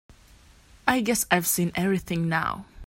I guess I've seen everything now.